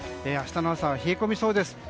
明日の朝は冷え込みそうです。